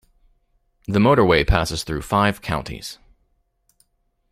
The motorway passes through five counties.